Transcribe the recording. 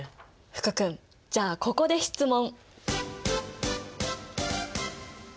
福くんじゃあここで質問。